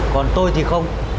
còn tôi thì không